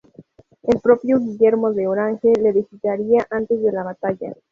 El propio Guillermo de Orange le visitaría antes de la batalla.